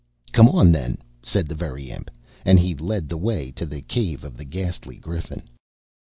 "Come on, then," said the Very Imp, and he led the way to the cave of the Ghastly Griffin.